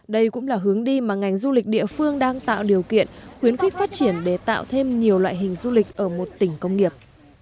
đây cũng là hướng đi mà ngành du lịch địa phương đang tạo điều kiện khuyến khích phát triển để tạo thêm nhiều loại hình du lịch ở một tỉnh công nghiệp